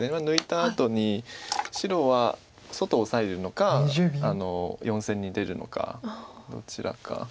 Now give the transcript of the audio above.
抜いたあとに白は外をオサえるのか４線に出るのかどちらか。